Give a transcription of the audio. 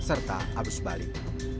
serta arus balik